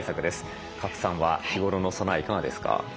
賀来さんは日頃の備えいかがですか？